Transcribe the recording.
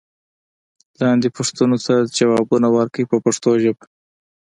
لاندې پوښتنو ته ځوابونه ورکړئ په پښتو ژبه.